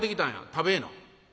食べえな」。